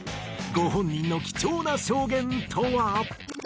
ご本人の貴重な証言とは？